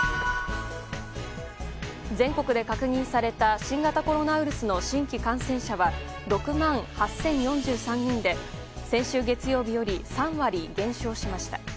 全国で確認された新型コロナウイルスの新規感染者は６万８０４３人で先週月曜日より３割減少しました。